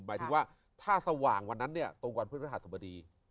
หมายถึงว่าถ้าสว่างวันนั้นเนี่ยตรงวันพฤหัสบดี